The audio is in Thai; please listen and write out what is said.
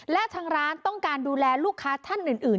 และทางร้านต้องการดูแลลูกค้าท่านอื่น